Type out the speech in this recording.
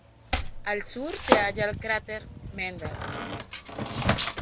Al sur se halla el cráter Mendel.